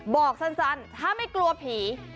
บอกสั้นถ้าไม่กลัวผี